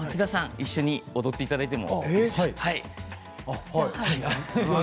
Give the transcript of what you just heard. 一緒に踊っていただいても？